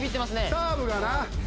サーブがな。